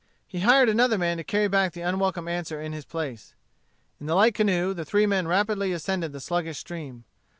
He hired another man to carry back the unwelcome answer in his place. In the light canoe the three men rapidly ascended the sluggish stream.